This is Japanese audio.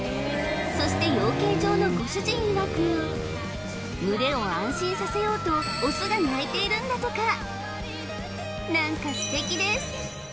そして養鶏場のご主人いわく群れを安心させようとオスが鳴いているんだとか何か素敵です